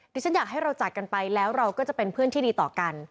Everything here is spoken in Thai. ที่ฉันอยากให้เราจากกันไปแล้วเราก็จะเป็นเพื่อนที่ดีต่อกัน